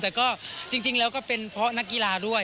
แต่ก็จริงแล้วก็เป็นเพราะนักกีฬาด้วย